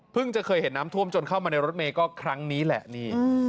จะเคยเห็นน้ำท่วมจนเข้ามาในรถเมย์ก็ครั้งนี้แหละนี่